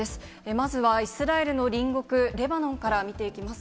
まずはイスラエルの隣国レバノンから見ていきます。